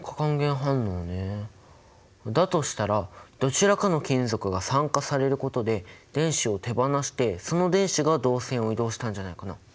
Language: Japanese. だとしたらどちらかの金属が酸化されることで電子を手放してその電子が導線を移動したんじゃないかな？